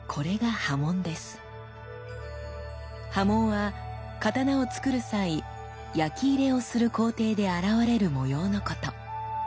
刃文は刀をつくる際焼き入れをする工程で現れる模様のこと。